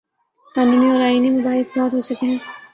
قانونی اور آئینی مباحث بہت ہو چکے۔